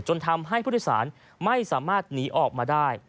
จนทำให้ผู้โดยสารไม่สามารถหนีออกมาได้